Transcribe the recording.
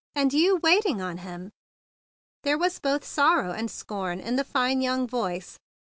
And you waiting on him!" There were both sorrow and scorn in the fine young voice.